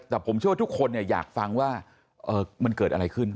แต่ผมเชื่อว่าทุกคนอยากฟังว่ามันเกิดอะไรขึ้น